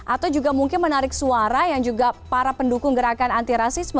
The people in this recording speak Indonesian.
atau juga mungkin menarik suara yang juga para pendukung gerakan anti rasisme